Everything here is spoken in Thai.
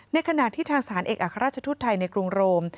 ในขณะที่ทางสถานเอกอัครราชทูตไทยในกรุงโรม